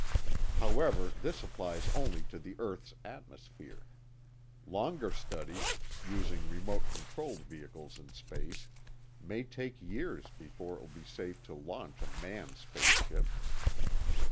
However, this applies only to the earth's atmosphere. Longer studies, using remote controlled vehicles in space, may take years before it will be safe to launch a manned space ship.